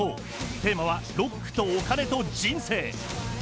テーマは「ロックとお金と人生」！